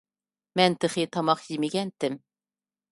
مەن تېخى تاماق يېمىگەنتىم.